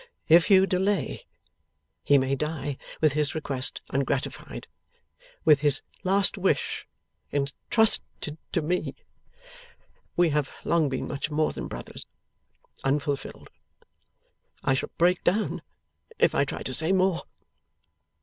'If you delay, he may die with his request ungratified, with his last wish intrusted to me we have long been much more than brothers unfulfilled. I shall break down, if I try to say more.